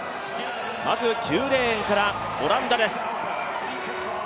まず９レーンからオランダです。